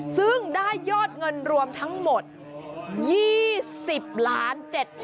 ซึ่งได้ยอดเงินรวมทั้งหมด๒๐๗๑๓๓๖๒บาท